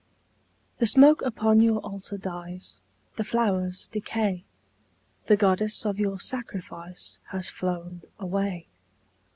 _) The smoke upon your Altar dies, The flowers decay, The Goddess of your sacrifice Has flown away.